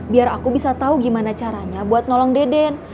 biar aku bisa tahu gimana caranya buat nolong deden